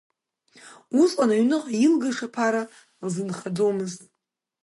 Усҟан аҩныҟа илгаша ԥара лзынхаӡомызт.